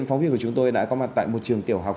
phóng viên của chúng tôi đã có mặt tại một trường tiểu học